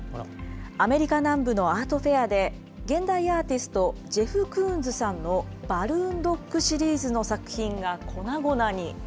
アメリカ南部のアートフェアで、現代アーティスト、ジェフ・クーンズさんのバルーン・ドッグシリーズの作品が粉々に。